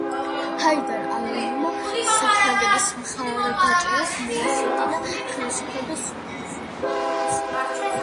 ჰაიდარ ალიმ საფრანგეთის მხარდაჭერით მოახდინა ხელისუფლების უზურპაცია.